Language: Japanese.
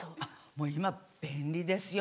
もう今便利ですよ